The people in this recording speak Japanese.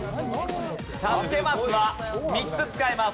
助けマスは３つ使えます。